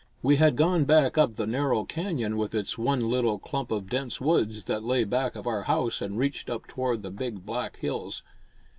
We had gone back up the narrow canyon with its one little clump of dense woods that lay back of our house and reached up toward the big black hills.